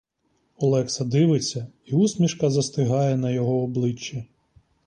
Олекса дивиться — і усмішка застигає на його обличчі.